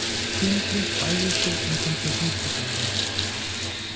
Königlich Bayerische Infanterie-Brigade".